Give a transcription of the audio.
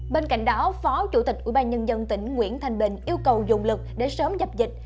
bên cạnh đó phó chủ tịch ubnd tỉnh nguyễn thanh bình yêu cầu dùng lực để sớm dập dịch